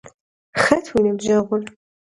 Xet vui nıbjeğur?